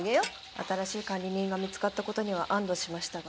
新しい管理人が見つかった事には安堵しましたが。